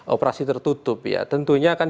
operasi tertutup ya tentunya kan